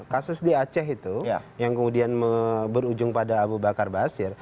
kasus di aceh itu yang kemudian berujung pada abu bakar basir